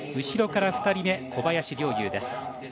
後ろから２人目、小林陵侑です。